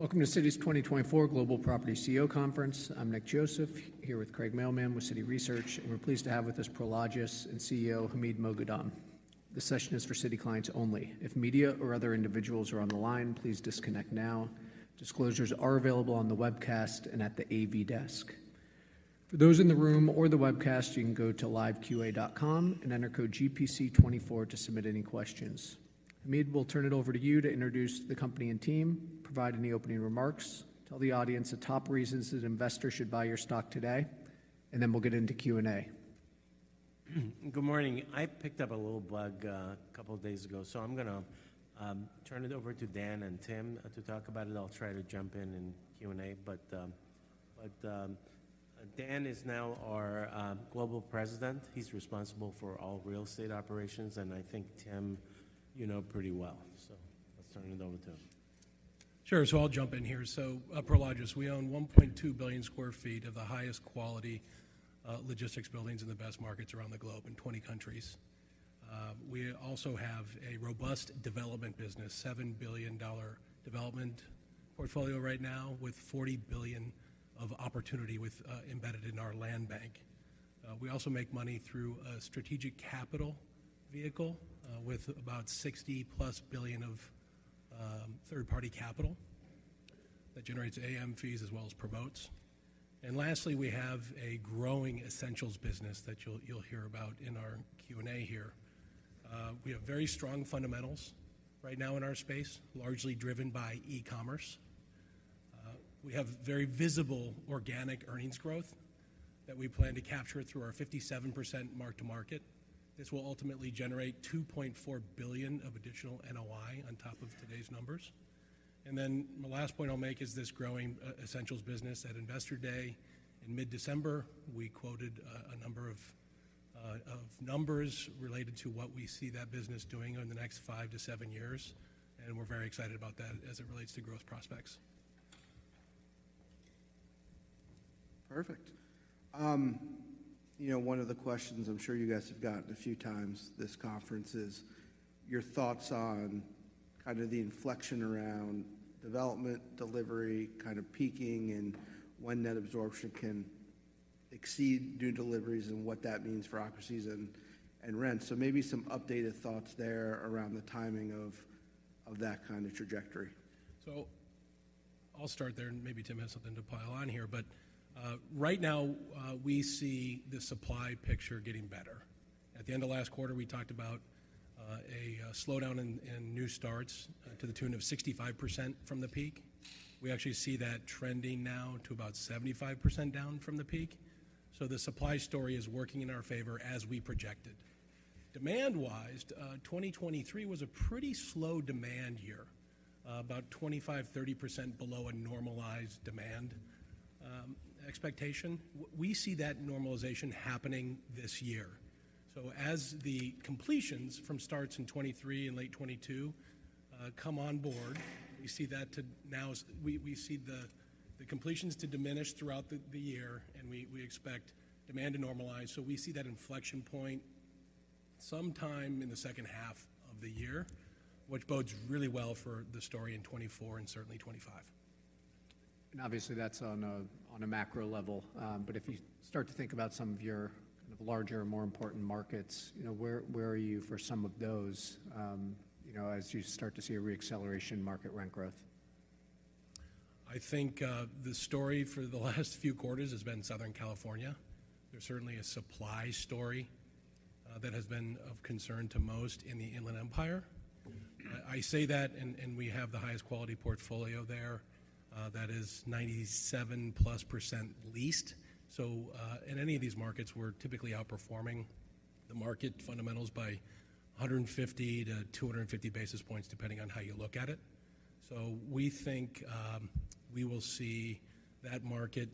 Welcome to Citi's 2024 Global Property CEO Conference. I'm Nick Joseph, here with Craig Mailman with Citi Research, and we're pleased to have with us Prologis and CEO Hamid Moghadam. This session is for Citi clients only. If media or other individuals are on the line, please disconnect now. Disclosures are available on the webcast and at the AV desk. For those in the room or the webcast, you can go to liveqa and enter code GPC24 to submit any questions. Hamid, we'll turn it over to you to introduce the company and team, provide any opening remarks, tell the audience the top reasons that investors should buy your stock today, and then we'll get into Q&A. Good morning. I picked up a little bug a couple of days ago, so I'm going to turn it over to Dan and Tim to talk about it. I'll try to jump in Q&A, but Dan is now our Global President. He's responsible for all real estate operations, and I think Tim you know pretty well, so let's turn it over to him. Sure, so I'll jump in here. So Prologis, we own 1.2 billion sq ft of the highest quality logistics buildings in the best markets around the globe in 20 countries. We also have a robust development business, $7 billion development portfolio right now with $40 billion of opportunity embedded in our land bank. We also make money through a strategic capital vehicle with about $60+ billion of third-party capital that generates AM fees as well as promotes. And lastly, we have a growing Essentials business that you'll hear about in our Q&A here. We have very strong fundamentals right now in our space, largely driven by e-commerce. We have very visible organic earnings growth that we plan to capture through our 57% mark-to-market. This will ultimately generate $2.4 billion of additional NOI on top of today's numbers. And then my last point I'll make is this growing essentials business. At Investor Day in mid-December, we quoted a number of numbers related to what we see that business doing in the next 5-7 years, and we're very excited about that as it relates to growth prospects. Perfect. One of the questions I'm sure you guys have gotten a few times this conference is your thoughts on kind of the inflection around development delivery kind of peaking and when net absorption can exceed due deliveries and what that means for occupancies and rents? So maybe some updated thoughts there around the timing of that kind of trajectory. So I'll start there, and maybe Tim has something to pile on here. But right now, we see the supply picture getting better. At the end of last quarter, we talked about a slowdown in new starts to the tune of 65% from the peak. We actually see that trending now to about 75% down from the peak. So the supply story is working in our favor as we projected. Demand-wise, 2023 was a pretty slow demand year, about 25%-30% below a normalized demand expectation. We see that normalization happening this year. So as the completions from starts in 2023 and late 2022 come on board, we see that, too. Now we see the completions to diminish throughout the year, and we expect demand to normalize. So we see that inflection point sometime in the second half of the year, which bodes really well for the story in 2024 and certainly 2025. Obviously, that's on a macro level. But if you start to think about some of your kind of larger and more important markets, where are you for some of those as you start to see a reacceleration in market rent growth? I think the story for the last few quarters has been Southern California. There's certainly a supply story that has been of concern to most in the Inland Empire. I say that, and we have the highest quality portfolio there. That is 97%+ leased. So in any of these markets, we're typically outperforming the market fundamentals by 150 basis points-250 basis points depending on how you look at it. So we think we will see that market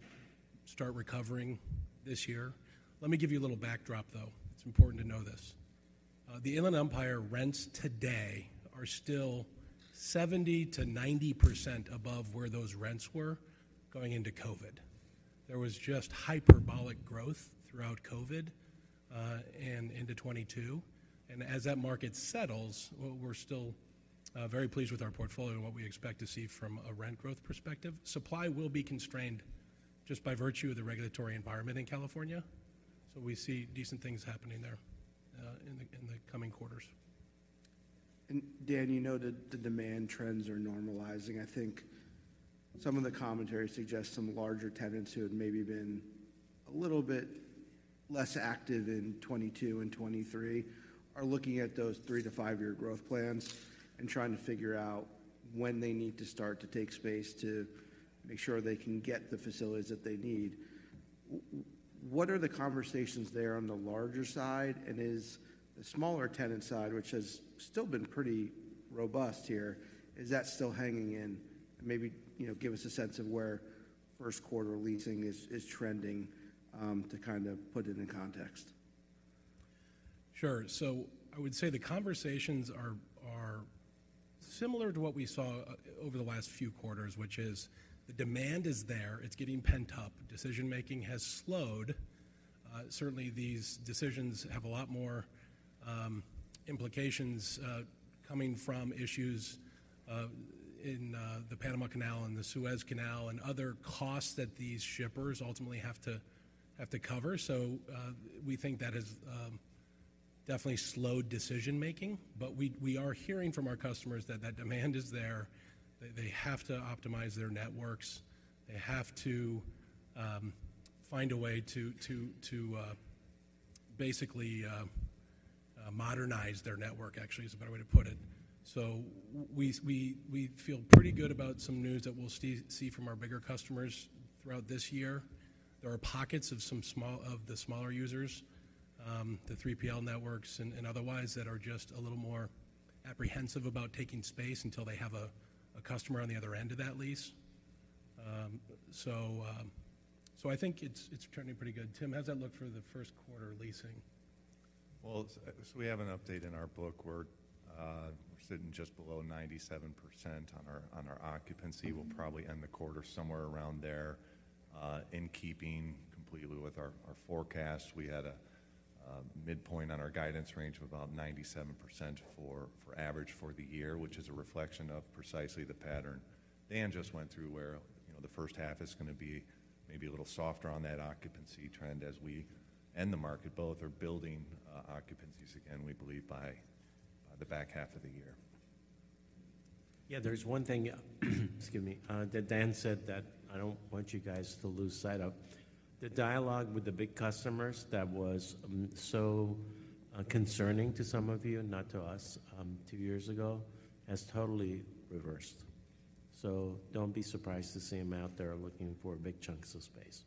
start recovering this year. Let me give you a little backdrop, though. It's important to know this. The Inland Empire rents today are still 70%-90% above where those rents were going into COVID. There was just hyperbolic growth throughout COVID and into 2022. And as that market settles, we're still very pleased with our portfolio and what we expect to see from a rent growth perspective. Supply will be constrained just by virtue of the regulatory environment in California. So we see decent things happening there in the coming quarters. And Dan, you know that the demand trends are normalizing. I think some of the commentary suggests some larger tenants who had maybe been a little bit less active in 2022 and 2023 are looking at those 3-year to 5-year growth plans and trying to figure out when they need to start to take space to make sure they can get the facilities that they need. What are the conversations there on the larger side? And is the smaller tenant side, which has still been pretty robust here, is that still hanging in? And maybe give us a sense of where first-quarter leasing is trending to kind of put it in context. Sure. So I would say the conversations are similar to what we saw over the last few quarters, which is the demand is there. It's getting pent up. Decision-making has slowed. Certainly, these decisions have a lot more implications coming from issues in the Panama Canal and the Suez Canal and other costs that these shippers ultimately have to cover. So we think that has definitely slowed decision-making. But we are hearing from our customers that that demand is there. They have to optimize their networks. They have to find a way to basically modernize their network, actually, is a better way to put it. So we feel pretty good about some news that we'll see from our bigger customers throughout this year. There are pockets of the smaller users, the 3PL networks and otherwise, that are just a little more apprehensive about taking space until they have a customer on the other end of that lease. So I think it's turning pretty good. Tim, how's that look for the first-quarter leasing? Well, so we have an update in our book. We're sitting just below 97% on our occupancy. We'll probably end the quarter somewhere around there in keeping completely with our forecast. We had a midpoint on our guidance range of about 97% for average for the year, which is a reflection of precisely the pattern Dan just went through where the first half is going to be maybe a little softer on that occupancy trend as we and the market both are building occupancies again, we believe, by the back half of the year. Yeah, there's one thing, excuse me. Dan said that I don't want you guys to lose sight of. The dialogue with the big customers that was so concerning to some of you, not to us, two years ago has totally reversed. So don't be surprised to see them out there looking for big chunks of space.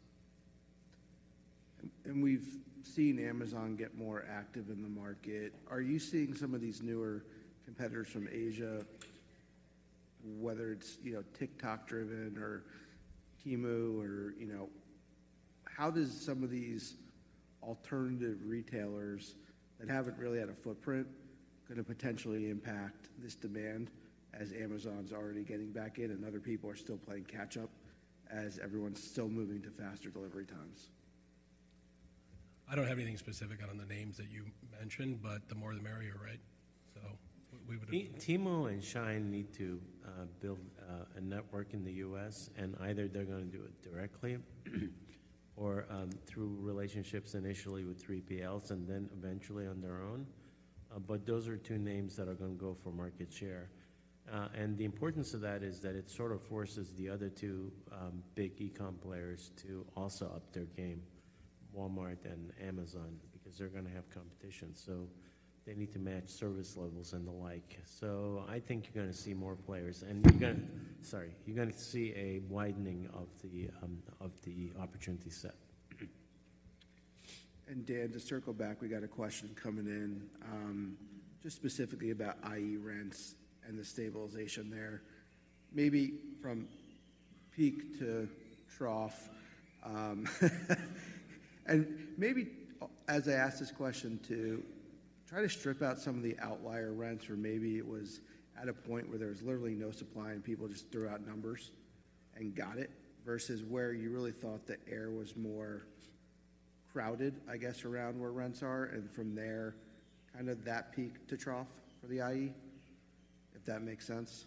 We've seen Amazon get more active in the market. Are you seeing some of these newer competitors from Asia, whether it's TikTok-driven or Temu? How does some of these alternative retailers that haven't really had a footprint going to potentially impact this demand as Amazon's already getting back in and other people are still playing catch-up as everyone's still moving to faster delivery times? I don't have anything specific on the names that you mentioned, but the more the merrier, right? So we would. Temu and SHEIN need to build a network in the U.S., and either they're going to do it directly or through relationships initially with 3PLs and then eventually on their own. But those are two names that are going to go for market share. And the importance of that is that it sort of forces the other two big e-com players to also up their game, Walmart and Amazon, because they're going to have competition. So they need to match service levels and the like. So I think you're going to see more players. And you're going to sorry, you're going to see a widening of the opportunity set. Dan, to circle back, we got a question coming in just specifically about IE rents and the stabilization there, maybe from peak to trough. Maybe as I asked this question, to try to strip out some of the outlier rents where maybe it was at a point where there was literally no supply and people just threw out numbers and got it versus where you really thought the area was more crowded, I guess, around where rents are and from there kind of that peak to trough for the IE, if that makes sense.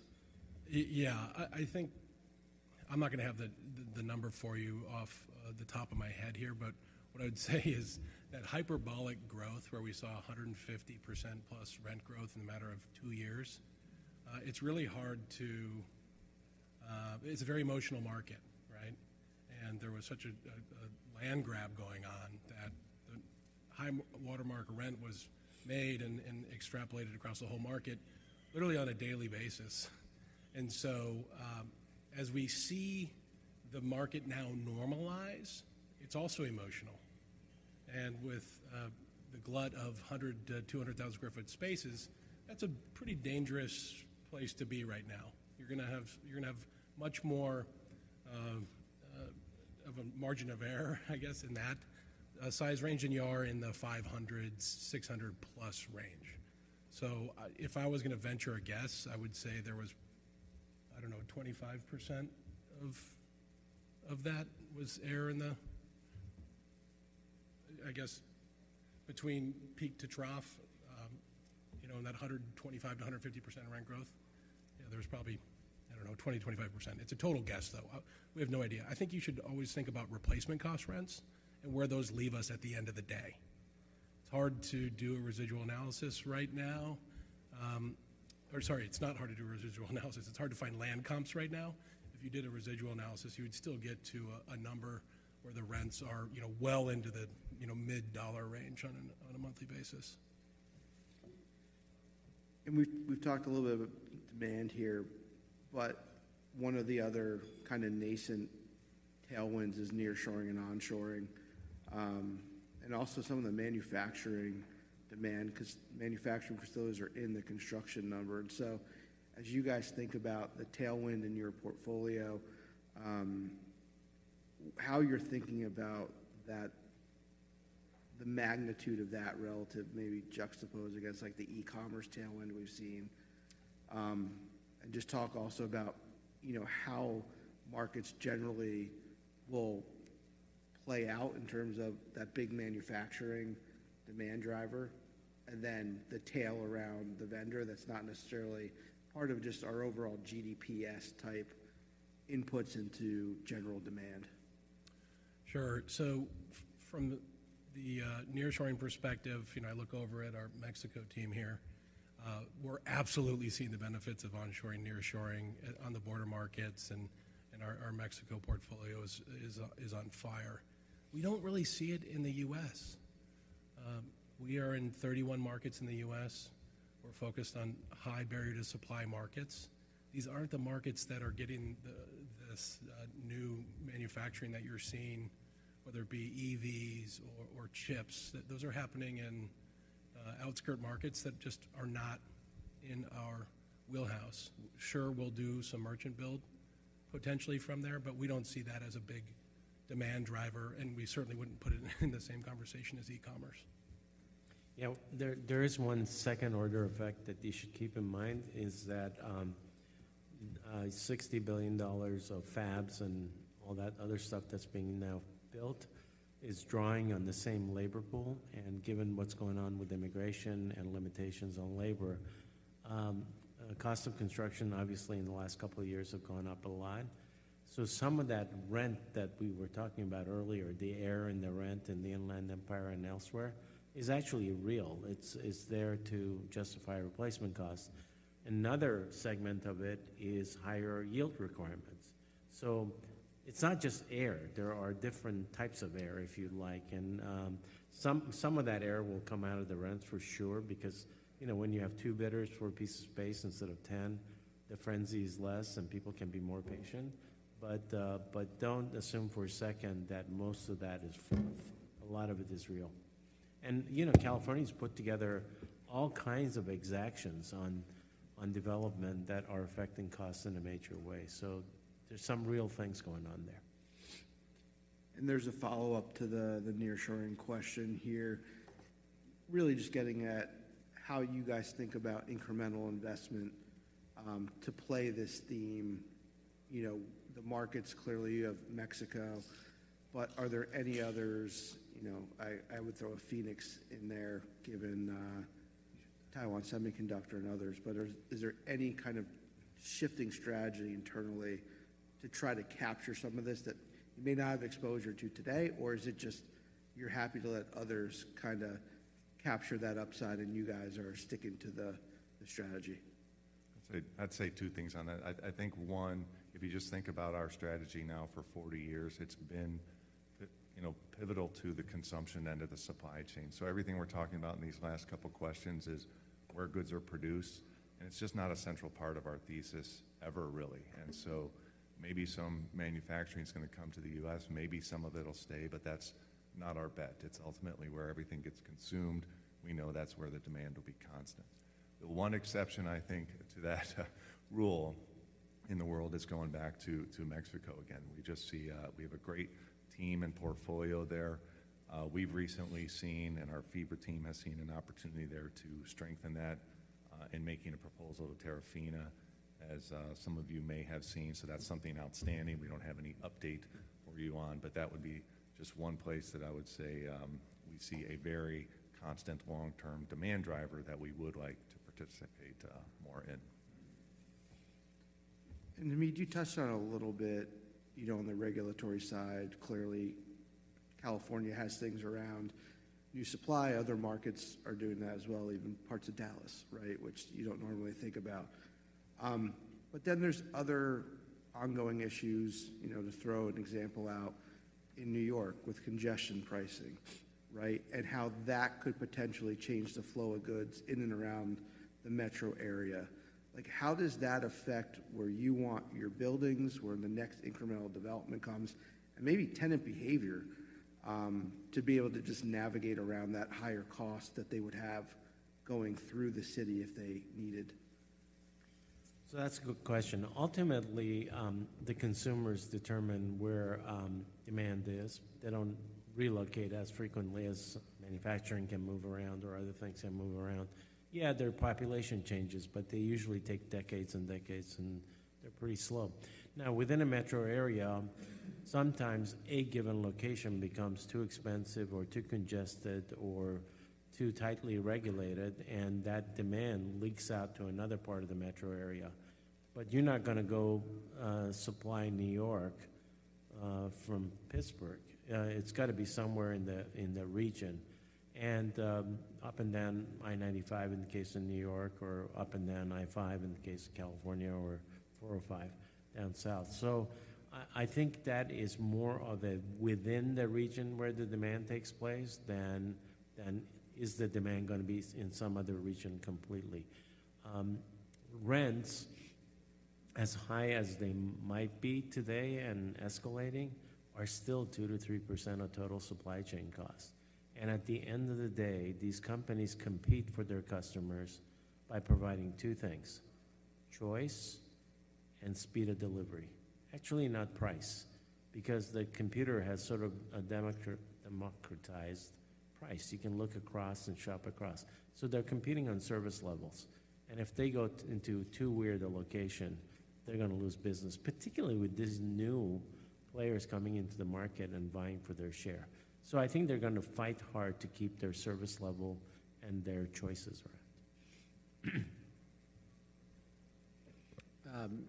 Yeah. I think I'm not going to have the number for you off the top of my head here, but what I would say is that hyperbolic growth where we saw 150%+ rent growth in a matter of two years, it's really hard to it's a very emotional market, right? And there was such a land grab going on that the high watermark rent was made and extrapolated across the whole market literally on a daily basis. And so as we see the market now normalize, it's also emotional. And with the glut of 100,000 sq ft-200,000 sq ft spaces, that's a pretty dangerous place to be right now. You're going to have much more of a margin of error, I guess, in that size range, and you are in the 500-600+ range. So if I was going to venture a guess, I would say there was, I don't know, 25% of that was error in the, I guess, between peak to trough, in that 125%-150% rent growth, there was probably, I don't know, 20%-25%. It's a total guess, though. We have no idea. I think you should always think about replacement cost rents and where those leave us at the end of the day. It's hard to do a residual analysis right now. Or sorry, it's not hard to do a residual analysis. It's hard to find land comps right now. If you did a residual analysis, you would still get to a number where the rents are well into the mid-dollar range on a monthly basis. We've talked a little bit about demand here, but one of the other kind of nascent tailwinds is nearshoring and onshoring and also some of the manufacturing demand because manufacturing facilities are in the construction number. So as you guys think about the tailwind in your portfolio, how you're thinking about the magnitude of that relative maybe juxtapose against the e-commerce tailwind we've seen. Just talk also about how markets generally will play out in terms of that big manufacturing demand driver and then the tail around the vendor that's not necessarily part of just our overall GDP-type inputs into general demand. Sure. So from the nearshoring perspective, I look over at our Mexico team here. We're absolutely seeing the benefits of onshoring, nearshoring on the border markets, and our Mexico portfolio is on fire. We don't really see it in the U.S. We are in 31 markets in the U.S. We're focused on high barrier to supply markets. These aren't the markets that are getting this new manufacturing that you're seeing, whether it be EVs or chips. Those are happening in outskirt markets that just are not in our wheelhouse. Sure, we'll do some merchant build potentially from there, but we don't see that as a big demand driver, and we certainly wouldn't put it in the same conversation as e-commerce. Yeah, there is one second-order effect that you should keep in mind is that $60 billion of fabs and all that other stuff that's being now built is drawing on the same labor pool. And given what's going on with immigration and limitations on labor, cost of construction, obviously, in the last couple of years have gone up a lot. So some of that rent that we were talking about earlier, the air and the rent in the Inland Empire and elsewhere, is actually real. It's there to justify replacement costs. Another segment of it is higher yield requirements. So it's not just air. There are different types of air, if you'd like. And some of that air will come out of the rents for sure because when you have two bidders for a piece of space instead of 10, the frenzy is less, and people can be more patient. But don't assume for a second that most of that is false. A lot of it is real. California has put together all kinds of exactions on development that are affecting costs in a major way. There's some real things going on there. There's a follow-up to the nearshoring question here, really just getting at how you guys think about incremental investment to play this theme. The markets clearly of Mexico, but are there any others? I would throw a Phoenix in there given Taiwan Semiconductor and others. But is there any kind of shifting strategy internally to try to capture some of this that you may not have exposure to today? Or is it just you're happy to let others kind of capture that upside, and you guys are sticking to the strategy? I'd say two things on that. I think, one, if you just think about our strategy now for 40 years, it's been pivotal to the consumption end of the supply chain. Everything we're talking about in these last couple of questions is where goods are produced. It's just not a central part of our thesis ever, really. Maybe some manufacturing is going to come to the U.S. Maybe some of it will stay, but that's not our bet. It's ultimately where everything gets consumed. We know that's where the demand will be constant. The one exception, I think, to that rule in the world is going back to Mexico again. We just see we have a great team and portfolio there. We've recently seen, and our FIBRA team has seen an opportunity there to strengthen that in making a proposal to Terrafina, as some of you may have seen. So that's something outstanding. We don't have any update for you on. But that would be just one place that I would say we see a very constant long-term demand driver that we would like to participate more in. Hamid, you touched on it a little bit on the regulatory side. Clearly, California has things around new supply. Other markets are doing that as well, even parts of Dallas, right, which you don't normally think about. But then there's other ongoing issues. To throw an example out, in New York with congestion pricing, right, and how that could potentially change the flow of goods in and around the metro area. How does that affect where you want your buildings, where the next incremental development comes, and maybe tenant behavior to be able to just navigate around that higher cost that they would have going through the city if they needed? So that's a good question. Ultimately, the consumers determine where demand is. They don't relocate as frequently as manufacturing can move around or other things can move around. Yeah, there are population changes, but they usually take decades and decades, and they're pretty slow. Now, within a metro area, sometimes a given location becomes too expensive or too congested or too tightly regulated, and that demand leaks out to another part of the metro area. But you're not going to go supply New York from Pittsburgh. It's got to be somewhere in the region and up and down I-95 in the case of New York or up and down I-5 in the case of California or 405 down south. So I think that is more of a within the region where the demand takes place than is the demand going to be in some other region completely. Rents, as high as they might be today and escalating, are still 2%-3% of total supply chain cost. And at the end of the day, these companies compete for their customers by providing two things: choice and speed of delivery, actually not price, because the computer has sort of a democratized price. You can look across and shop across. So they're competing on service levels. And if they go into too weird a location, they're going to lose business, particularly with these new players coming into the market and vying for their share. So I think they're going to fight hard to keep their service level and their choices around.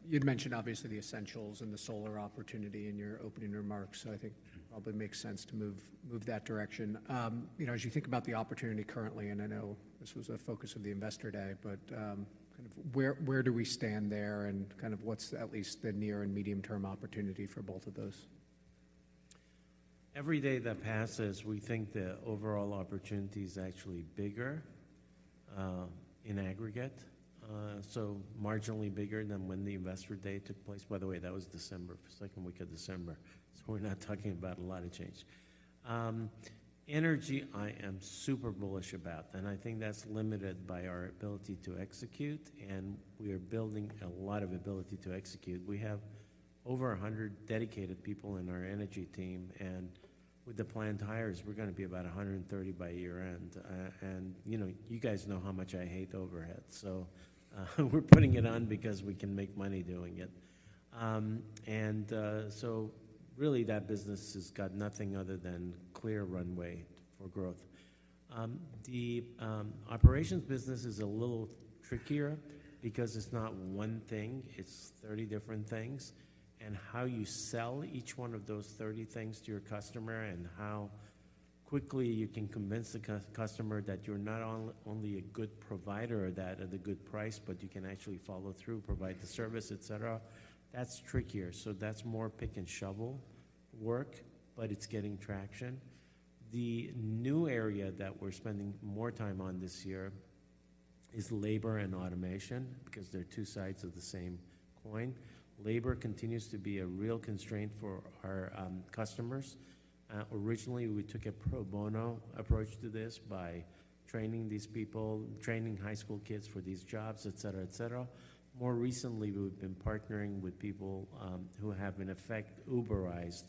You'd mentioned, obviously, the essentials and the solar opportunity in your opening remarks. So I think it probably makes sense to move that direction. As you think about the opportunity currently and I know this was a focus of the Investor Day, but kind of where do we stand there, and kind of what's at least the near- and medium-term opportunity for both of those? Every day that passes, we think the overall opportunity is actually bigger in aggregate, so marginally bigger than when the Investor Day took place. By the way, that was December, second week of December. So we're not talking about a lot of change. Energy, I am super bullish about, and I think that's limited by our ability to execute. And we are building a lot of ability to execute. We have over 100 dedicated people in our energy team. And with the plan to hire, we're going to be about 130 by year-end. And you guys know how much I hate overhead. So we're putting it on because we can make money doing it. And so really, that business has got nothing other than clear runway for growth. The operations business is a little trickier because it's not one thing. It's 30 different things. And how you sell each one of those 30 things to your customer and how quickly you can convince the customer that you're not only a good provider or that at a good price, but you can actually follow through, provide the service, et cetera, that's trickier. So that's more pick-and-shovel work, but it's getting traction. The new area that we're spending more time on this year is labor and automation because they're two sides of the same coin. Labor continues to be a real constraint for our customers. Originally, we took a pro bono approach to this by training these people, training high school kids for these jobs, et cetera, et cetera. More recently, we've been partnering with people who have, in effect, Uberized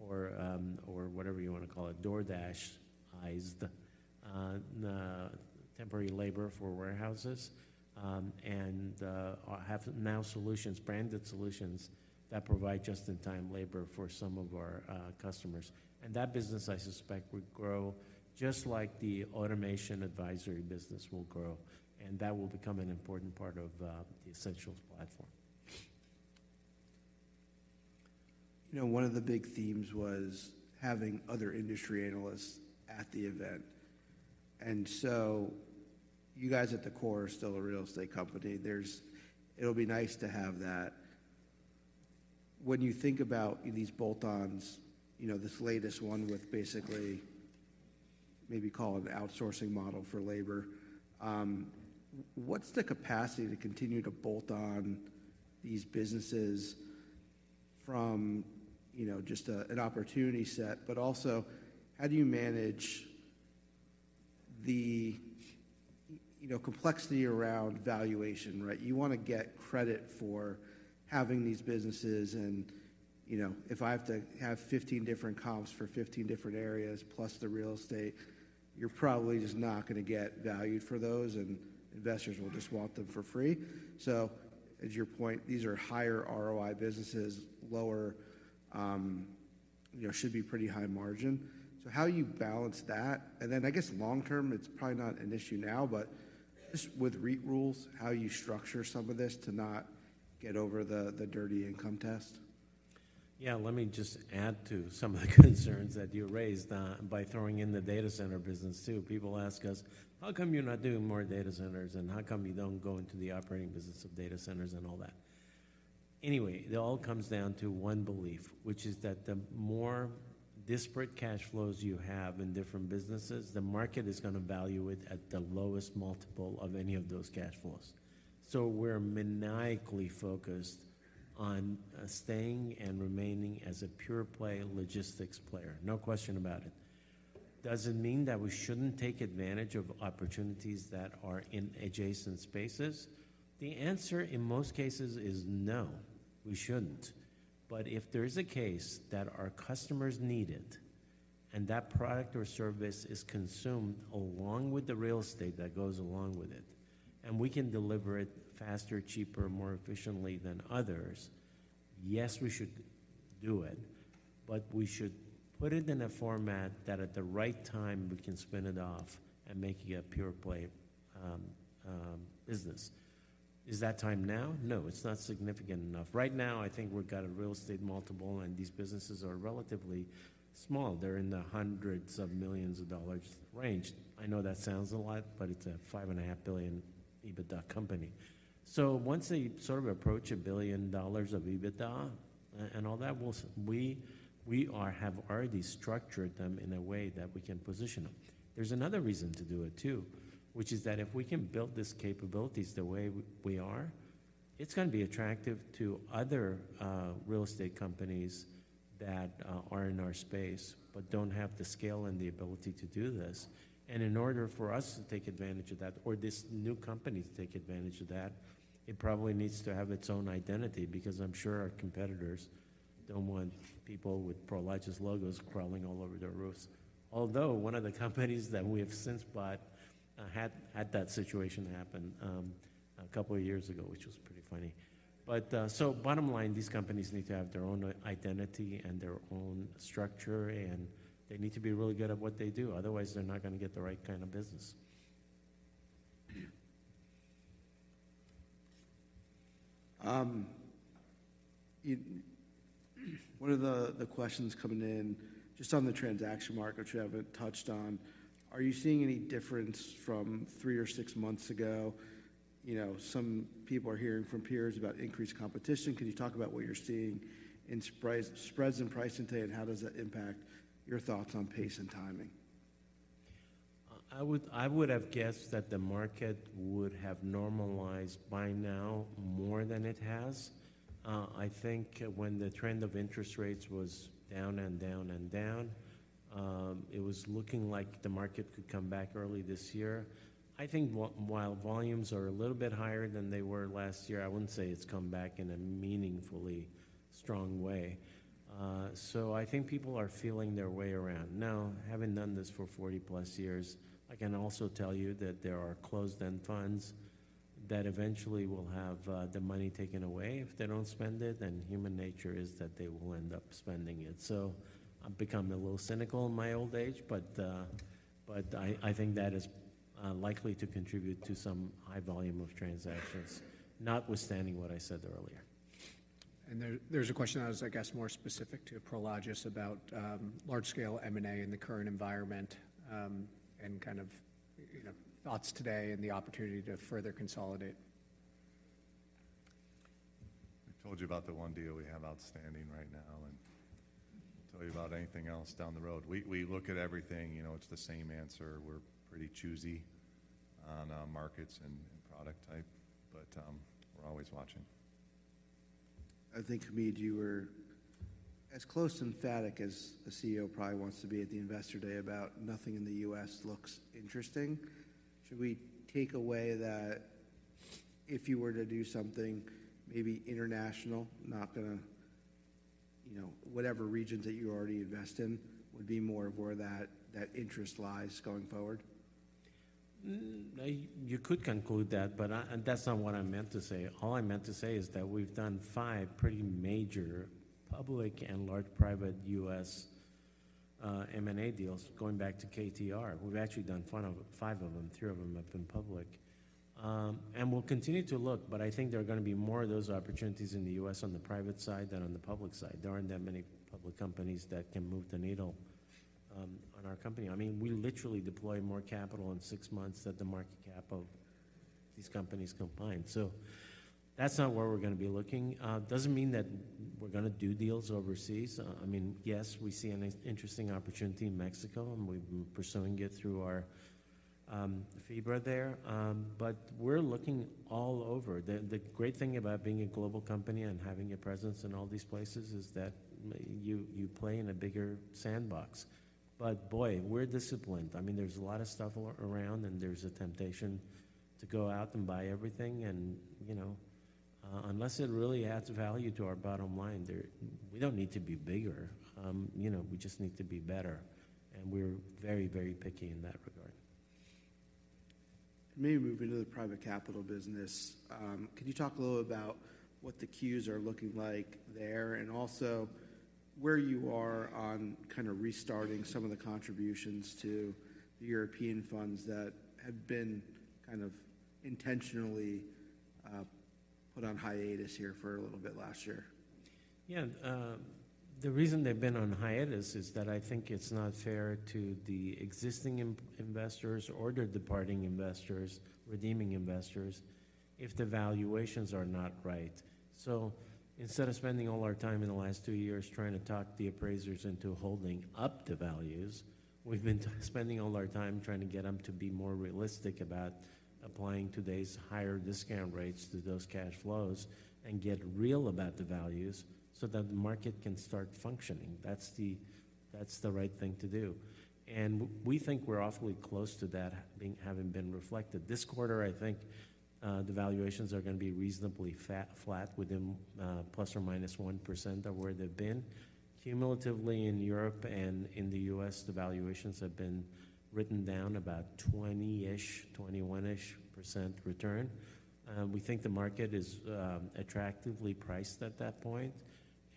or whatever you want to call it, DoorDashized temporary labor for warehouses and have now solutions, branded solutions, that provide just-in-time labor for some of our customers. And that business, I suspect, would grow just like the automation advisory business will grow. And that will become an important part of the Essentials platform. One of the big themes was having other industry analysts at the event. So you guys at the core are still a real estate company. It'll be nice to have that. When you think about these bolt-ons, this latest one with basically maybe call it an outsourcing model for labor, what's the capacity to continue to bolt on these businesses from just an opportunity set? But also, how do you manage the complexity around valuation, right? You want to get credit for having these businesses. And if I have to have 15 different comps for 15 different areas plus the real estate, you're probably just not going to get valued for those, and investors will just want them for free. So as your point, these are higher ROI businesses, should be pretty high margin. So how do you balance that? And then, I guess, long-term, it's probably not an issue now, but just with REIT rules, how do you structure some of this to not get over the dirty income test? Yeah, let me just add to some of the concerns that you raised by throwing in the data center business too. People ask us, "How come you're not doing more data centers? And how come you don't go into the operating business of data centers and all that?" Anyway, it all comes down to one belief, which is that the more disparate cash flows you have in different businesses, the market is going to value it at the lowest multiple of any of those cash flows. So we're maniacally focused on staying and remaining as a pure-play logistics player, no question about it. Does it mean that we shouldn't take advantage of opportunities that are in adjacent spaces? The answer, in most cases, is no. We shouldn't. But if there is a case that our customers need it and that product or service is consumed along with the real estate that goes along with it, and we can deliver it faster, cheaper, more efficiently than others, yes, we should do it. But we should put it in a format that, at the right time, we can spin it off and make it a pure-play business. Is that time now? No, it's not significant enough. Right now, I think we've got a real estate multiple, and these businesses are relatively small. They're in the hundreds of millions of dollars range. I know that sounds a lot, but it's a $5.5 billion EBITDA company. So once they sort of approach $1 billion of EBITDA and all that, we have already structured them in a way that we can position them. There's another reason to do it too, which is that if we can build these capabilities the way we are, it's going to be attractive to other real estate companies that are in our space but don't have the scale and the ability to do this. And in order for us to take advantage of that or this new company to take advantage of that, it probably needs to have its own identity because I'm sure our competitors don't want people with Prologis logos crawling all over their roofs, although one of the companies that we have since bought had that situation happen a couple of years ago, which was pretty funny. So bottom line, these companies need to have their own identity and their own structure, and they need to be really good at what they do. Otherwise, they're not going to get the right kind of business. One of the questions coming in just on the transaction market, which we haven't touched on, are you seeing any difference from 3 or 6 months ago? Some people are hearing from peers about increased competition. Can you talk about what you're seeing in spreads and pricing today, and how does that impact your thoughts on pace and timing? I would have guessed that the market would have normalized by now more than it has. I think when the trend of interest rates was down and down and down, it was looking like the market could come back early this year. I think while volumes are a little bit higher than they were last year, I wouldn't say it's come back in a meaningfully strong way. So I think people are feeling their way around. Now, having done this for 40+ years, I can also tell you that there are closed-end funds that eventually will have the money taken away. If they don't spend it, then human nature is that they will end up spending it. So I've become a little cynical in my old age, but I think that is likely to contribute to some high volume of transactions, notwithstanding what I said earlier. There's a question that is, I guess, more specific to Prologis about large-scale M&A in the current environment and kind of thoughts today and the opportunity to further consolidate. I told you about the one deal we have outstanding right now. I'll tell you about anything else down the road. We look at everything. It's the same answer. We're pretty choosy on markets and product type, but we're always watching. I think, Hamid, you were as close to emphatic as a CEO probably wants to be at the Investor Day about nothing in the U.S. looks interesting. Should we take away that if you were to do something maybe international, not going to whatever regions that you already invest in would be more of where that interest lies going forward? You could conclude that, but that's not what I meant to say. All I meant to say is that we've done 5 pretty major public and large-private U.S. M&A deals going back to KTR. We've actually done 5 of them. 3 of them have been public. We'll continue to look. I think there are going to be more of those opportunities in the U.S. on the private side than on the public side. There aren't that many public companies that can move the needle on our company. I mean, we literally deploy more capital in 6 months than the market cap of these companies combined. That's not where we're going to be looking. It doesn't mean that we're going to do deals overseas. I mean, yes, we see an interesting opportunity in Mexico, and we've been pursuing it through our FIBRA there. We're looking all over. The great thing about being a global company and having a presence in all these places is that you play in a bigger sandbox. But boy, we're disciplined. I mean, there's a lot of stuff around, and there's a temptation to go out and buy everything. And unless it really adds value to our bottom line, we don't need to be bigger. We just need to be better. And we're very, very picky in that regard. Maybe moving to the private capital business, could you talk a little about what the queues are looking like there and also where you are on kind of restarting some of the contributions to the European funds that have been kind of intentionally put on hiatus here for a little bit last year? Yeah. The reason they've been on hiatus is that I think it's not fair to the existing investors or the departing investors, redeeming investors, if the valuations are not right. So instead of spending all our time in the last 2 years trying to talk the appraisers into holding up the values, we've been spending all our time trying to get them to be more realistic about applying today's higher discount rates to those cash flows and get real about the values so that the market can start functioning. That's the right thing to do. And we think we're awfully close to that having been reflected. This quarter, I think the valuations are going to be reasonably flat, within ±1% of where they've been. Cumulatively, in Europe and in the U.S., the valuations have been written down about 20-ish, 21-ish% return. We think the market is attractively priced at that point.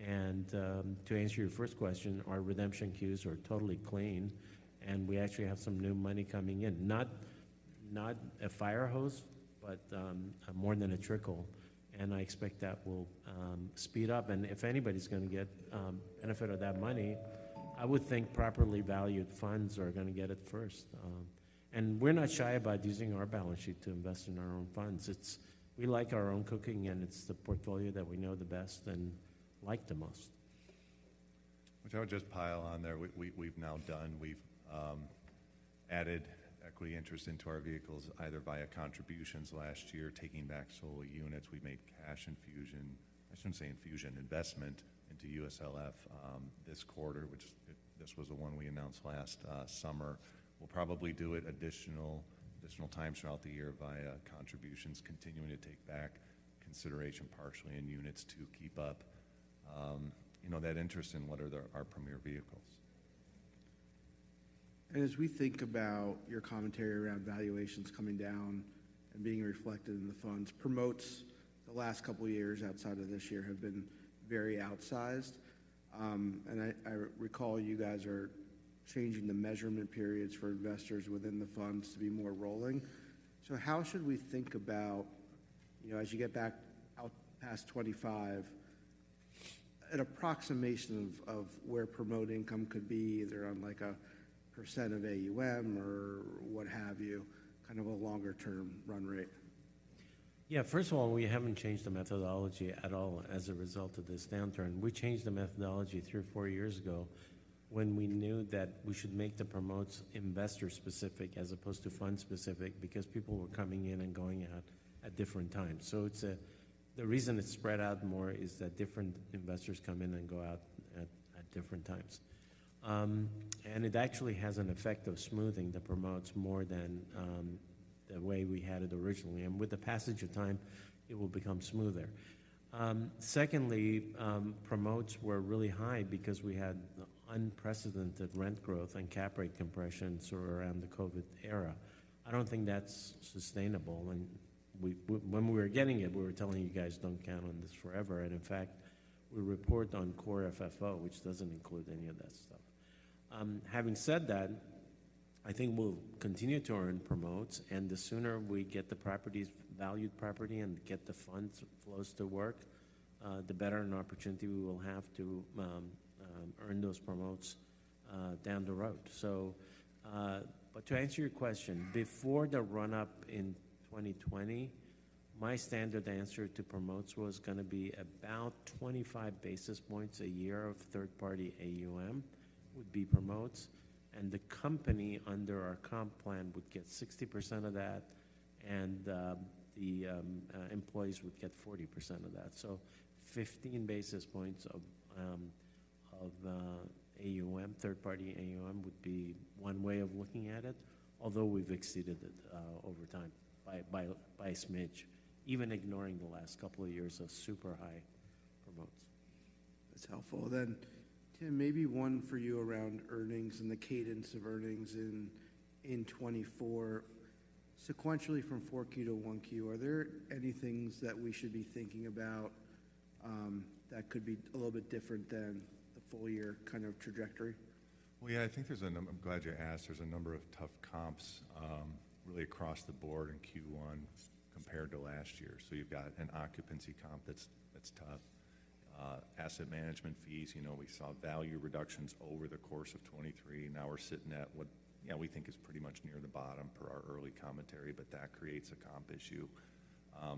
To answer your first question, our redemption queues are totally clean. We actually have some new money coming in, not a fire hose, but more than a trickle. I expect that will speed up. If anybody's going to get benefit of that money, I would think properly valued funds are going to get it first. We're not shy about using our balance sheet to invest in our own funds. We like our own cooking, and it's the portfolio that we know the best and like the most. Which I would just pile on there. We've now done. We've added equity interest into our vehicles either via contributions last year, taking back solar units. We've made cash infusion, I shouldn't say infusion, investment into USLF this quarter, which this was the one we announced last summer. We'll probably do it additional times throughout the year via contributions, continuing to take back consideration partially in units to keep up that interest in what are our premier vehicles. As we think about your commentary around valuations coming down and being reflected in the funds, promotes the last couple of years outside of this year have been very outsized. I recall you guys are changing the measurement periods for investors within the funds to be more rolling. So how should we think about, as you get back past 2025, an approximation of where promote income could be either on a percent of AUM or what have you, kind of a longer-term run rate? Yeah. First of all, we haven't changed the methodology at all as a result of this downturn. We changed the methodology three or four years ago when we knew that we should make the promotes investor-specific as opposed to fund-specific because people were coming in and going out at different times. So the reason it's spread out more is that different investors come in and go out at different times. And it actually has an effect of smoothing the promotes more than the way we had it originally. And with the passage of time, it will become smoother. Secondly, promotes were really high because we had unprecedented rent growth and cap rate compressions around the COVID era. I don't think that's sustainable. When we were getting it, we were telling you guys, "Don't count on this forever." In fact, we report on core FFO, which doesn't include any of that stuff. Having said that, I think we'll continue to earn promotes. The sooner we get the properties, valued property, and get the funds flows to work, the better an opportunity we will have to earn those promotes down the road. But to answer your question, before the run-up in 2020, my standard answer to promotes was going to be about 25 basis points a year of third-party AUM would be promotes. The company under our comp plan would get 60% of that, and the employees would get 40% of that. So 15 basis points of AUM, third-party AUM, would be one way of looking at it, although we've exceeded it over time by a smidge, even ignoring the last couple of years of super high promotes. That's helpful. Then, Tim, maybe one for you around earnings and the cadence of earnings in 2024. Sequentially from 4Q to 1Q, are there any things that we should be thinking about that could be a little bit different than the full-year kind of trajectory? Well, yeah, I think – I'm glad you asked. There's a number of tough comps really across the board in Q1 compared to last year. So you've got an occupancy comp that's tough, asset management fees. We saw value reductions over the course of 2023. Now we're sitting at what we think is pretty much near the bottom per our early commentary. But that creates a comp issue.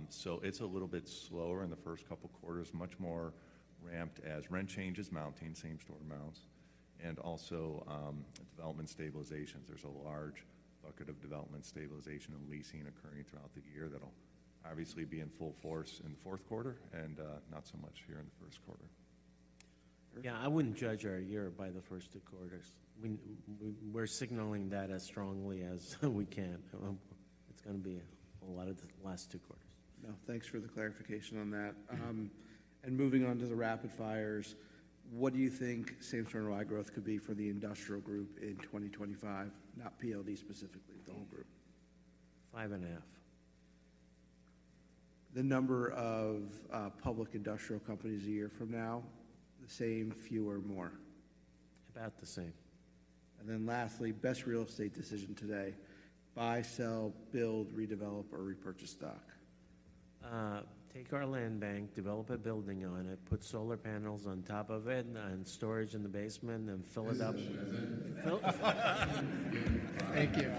So it's a little bit slower in the first couple of quarters, much more ramped as rent change is mounting, same-store amounts, and also development stabilizations. There's a large bucket of development stabilization and leasing occurring throughout the year that'll obviously be in full force in the fourth quarter and not so much here in the first quarter. Yeah. I wouldn't judge our year by the first two quarters. We're signaling that as strongly as we can. It's going to be a lot of the last two quarters. No. Thanks for the clarification on that. Moving on to the rapid fires, what do you think same-store and ROI growth could be for the industrial group in 2025, not PLD specifically, the whole group? 5.5. The number of public industrial companies a year from now: the same, fewer, more? About the same. And then lastly, best real estate decision today: buy, sell, build, redevelop, or repurchase stock? Take our land bank, develop a building on it, put solar panels on top of it, and storage in the basement, and fill it up. Thank you.